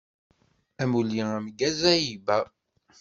Amulli ameggaz a Aiba!